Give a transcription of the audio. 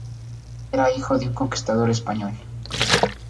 Era hijo de un conquistador español.